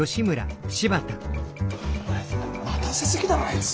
待たせ過ぎだろあいつ。